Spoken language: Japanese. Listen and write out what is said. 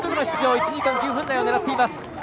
１時間９分台を狙っています。